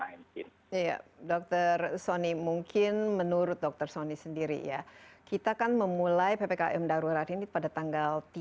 iya dr soni mungkin menurut dr soni sendiri ya kita kan memulai ppkm darurat ini pada tanggal tiga